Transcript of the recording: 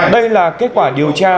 đây là kết quả điều tra